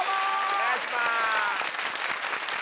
お願いします！